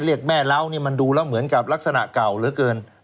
เรียกแม่เล้านี่มันดูแล้วเหมือนกับลักษณะเก่าเหลือเกิน